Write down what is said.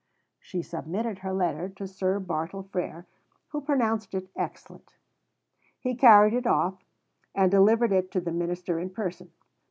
She submitted her letter to Sir Bartle Frere, who pronounced it excellent. He carried it off, and delivered it to the minister in person.